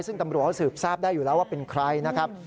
ซึ่งตำรวจเขาสืบทราบได้อยู่แล้วว่าเป็นใครนะครับ